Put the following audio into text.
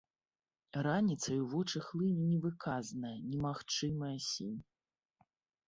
Раніцай у вочы хлыне невыказная, немагчымая сінь.